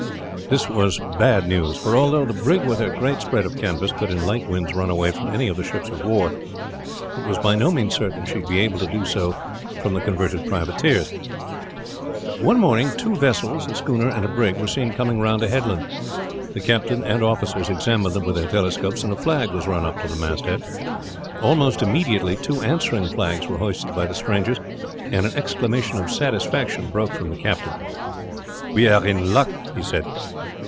This was bad news; for although the brig with her great spread of canvas could in light winds run away from any of the ships of war, it was by no means certain she would be able to do so from the converted privateers. One morning two vessels a schooner and a brig were seen coming round a headland. The captain and officers examined them with their telescopes, and a flag was run up to the masthead. Almost immediately two answering flags were hoisted by the strangers, and an exclamation of satisfaction broke from the captain: "We are in luck," he said.